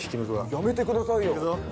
やめてくださいよ。